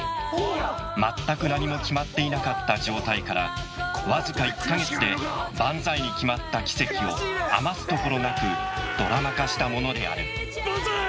全く何も決まっていなかった状態からわずか１か月で「バンザイ」に決まった奇跡を余すところなくドラマ化したものであるバンザイ！